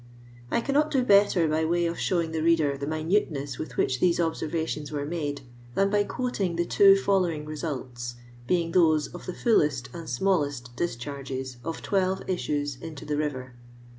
I cannot do better by way of showing the reader the minuteness with which these observa tions were made, than by quoting the two follow ing results, being those of the fullest and smallest discharges of twelve issues into the river.